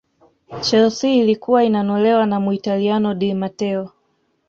chelsea ilikuwa inanolewa na Muitaliano di mateo